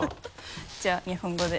じゃあ日本語で。